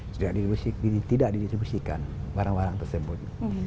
tidak didistribusikan barang barang tersebut